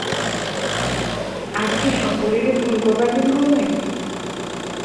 আজ কি সকলেরই ভুল করবার দিন হল না কি?